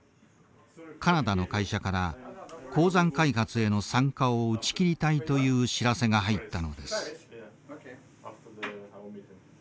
カナダの会社から鉱山開発への参加を打ち切りたいという知らせが入ったのです。